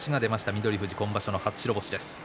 翠富士、今場所の初白星です。